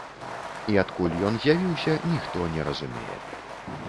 І адкуль ён з'явіўся, ніхто не разумее.